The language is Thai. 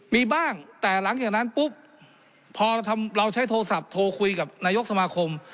มีบ้างแต่หลังจากนั้นปุ๊บพอเราใช้โทรศัพท์โทรคุยกับนายกสมาคม